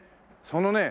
そのね